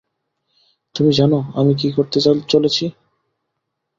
তুমি জানো আমি কি করতে চলেছি?